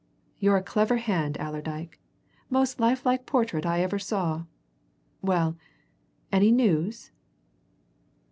You're a clever hand, Allerdyke most lifelike portrait I ever saw. Well any news?"